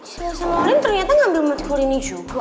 sila sama orin ternyata ngambil matkul ini juga